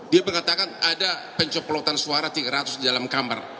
dia mengatakan ada pencoplotan suara tiga ratus di dalam kamar